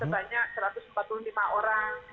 setelahnya satu ratus empat puluh lima orang per